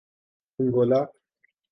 Angola